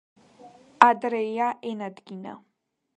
ადრეია ენადგინა